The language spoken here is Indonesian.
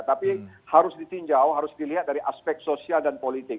tapi harus ditinjau harus dilihat dari aspek sosial dan politik